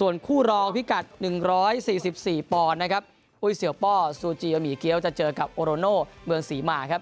ส่วนคู่รองพิกัด๑๔๔ปอนอุ๋ยเสียวป้อซูจิอมีเกี๊ยวจะเจอกับโอโรโน่เมืองศรีมาก